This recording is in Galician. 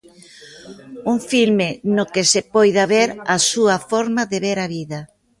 Un filme no que se poida ver a súa forma de ver a vida.